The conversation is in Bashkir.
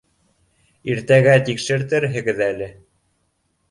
Иртәгә тикшертерһегеҙ әле.